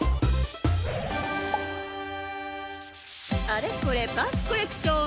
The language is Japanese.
あれこれパンツコレクション！